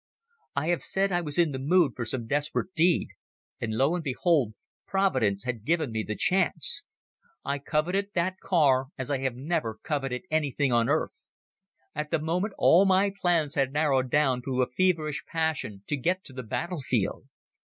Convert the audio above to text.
I have said I was in the mood for some desperate deed, and lo and behold providence had given me the chance! I coveted that car as I have never coveted anything on earth. At the moment all my plans had narrowed down to a feverish passion to get to the battle field.